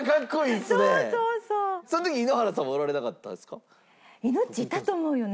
その時井ノ原さんはおられなかったんですか？